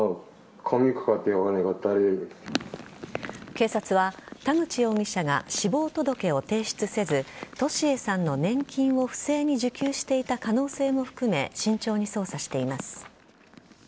警察は田口容疑者が死亡届を提出せず年榮さんの年金を不正に受給していた可能性も含め慎重に捜査しています。